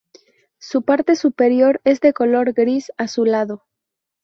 Su parte superior es de color gris azulado.